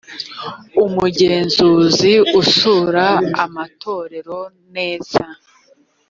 umugenzuzi usura amatorero neza